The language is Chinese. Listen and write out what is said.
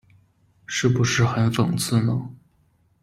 是不是很讽刺呢？